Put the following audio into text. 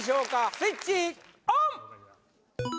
スイッチオン！